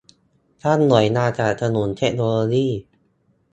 ตั้งหน่วยงานสนับสนุนเทคโนโลยี